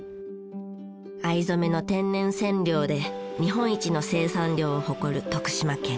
藍染めの天然染料で日本一の生産量を誇る徳島県。